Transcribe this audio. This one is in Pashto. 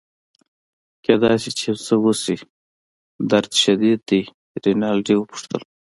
کیدای شي چي یو څه وشي، درد شدید دی؟ رینالډي وپوښتل.